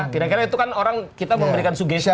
kira kira itu kan orang kita memberikan sugesti itu